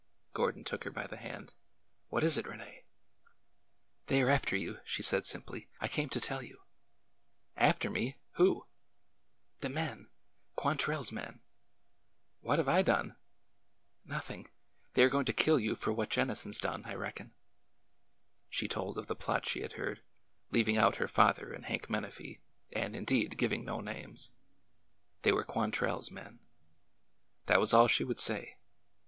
Gordon took her by the hand. What is it, Rene ?"'' They are after you," she said simply. I came to tell you." After me! Who?" The men. Quantrell's men." What have I done ?"'' Nothing. They are going to kill you for what Jen nison 's done, I reckon." She told of the plot she had heard, leaving out her father and Hank Menafee, and, indeed, giving no names. They were Quantrell's men. That was all she would say.